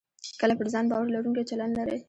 کله پر ځان باور لرونکی چلند لرئ